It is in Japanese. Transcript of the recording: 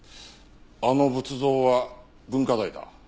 あの仏像は文化財だ。